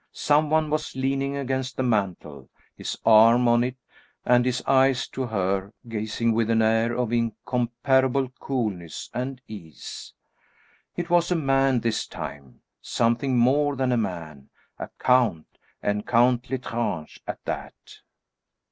Some one was leaning against the mantel, his arm on it, and his eyes do her, gazing with an air of incomparable coolness and ease. It was a man this time something more than a man, a count, and Count L'Estrange, at that!